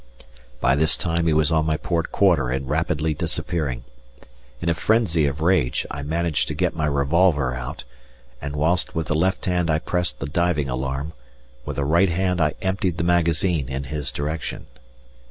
By this time he was on my port quarter and rapidly disappearing; in a frenzy of rage I managed to get my revolver out, and whilst with the left hand I pressed the diving alarm, with the right hand I emptied the magazine in his direction.